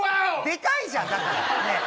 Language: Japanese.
でかいじゃんだからねえ